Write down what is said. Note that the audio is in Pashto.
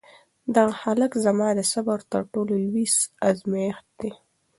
دغه هلک زما د صبر تر ټولو لوی ازمېښت دی.